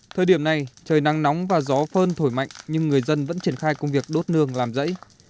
thời điểm này trời nắng nóng và gió phơn thổi mạnh nhưng người dân vẫn triển khai công việc đốt nương làm rẫy